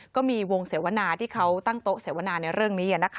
ก็มีวงเสวนาที่เขาตั้งโต๊ะเสวนาในเรื่องนี้